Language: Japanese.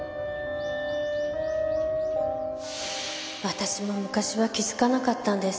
私も昔は気づかなかったんです。